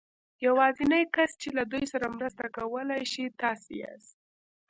يوازېنی کس چې له دوی سره مرسته کولای شي تاسې ياست.